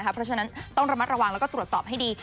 เพราะฉะนั้นต้องระมัดระวังแล้วก็ตรวจสอบให้ดี